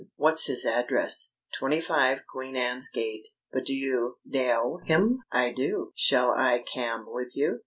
What's his address?" "Twenty five Queen Anne's Gate. But do you knaow him? I do. Shall I cam with you?"